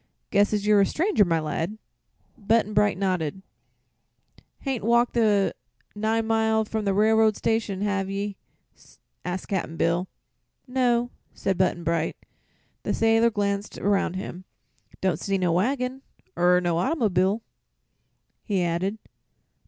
"Guess as you're a stranger, my lad." Button Bright nodded. "Hain't walked the nine mile from the railroad station, hev ye?" asked Cap'n Bill. "No," said Button Bright. The sailor glanced around him. "Don't see no waggin, er no autymob'l'," he added.